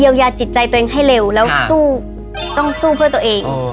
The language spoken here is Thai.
ยาจิตใจตัวเองให้เร็วแล้วสู้ต้องสู้เพื่อตัวเอง